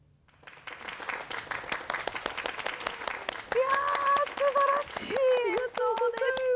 いやすばらしい演奏でした。